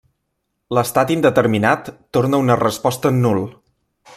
L'estat indeterminat torna una resposta en nul.